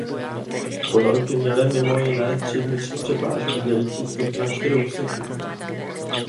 Ponorky měly mimo jiné tři vnitřní přepážky dělící trup na čtyři úseky.